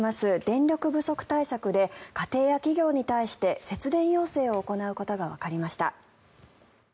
電力不足対策で家庭や企業に対して節電要請を行うことがわかりました。